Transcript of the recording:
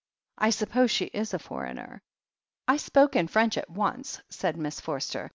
1 suppose she is a foreigner." 1 spoke in French at once," said Miss Forster.